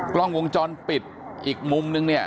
กล้องวงจรปิดอีกมุมนึงเนี่ย